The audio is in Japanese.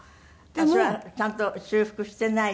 それはちゃんと修復してないやつ？